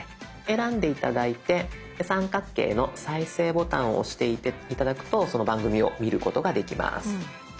選んで頂いて三角形の再生ボタンを押して頂くとその番組を見ることができます。